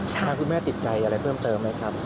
ทางคุณแม่ติดใจอะไรเพิ่มเติมไหมครับ